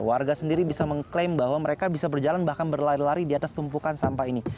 warga sendiri bisa mengklaim bahwa mereka bisa berjalan bahkan berlari lari di atas tumpukan sampah ini